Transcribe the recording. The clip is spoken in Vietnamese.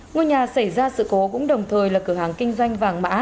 ngôi nhà xảy ra sự cố cũng đồng thời là cửa hàng kinh doanh vàng mã